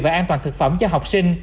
về an toàn thực phẩm cho học sinh